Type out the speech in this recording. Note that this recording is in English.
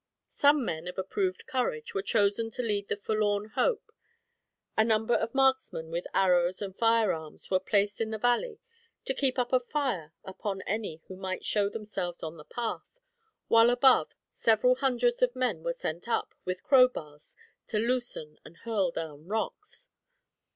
Some men of approved courage were chosen to lead the forlorn hope; a number of marksmen, with arrows and firearms, were placed in the valley to keep up a fire upon any who might show themselves on the path, while above, several hundreds of men were sent up, with crowbars, to loosen and hurl down rocks.